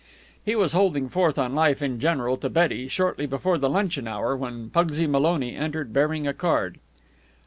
He was holding forth on life in general to Betty shortly before the luncheon hour when Pugsy Maloney entered bearing a card.